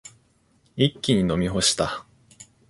一気に飲み干した。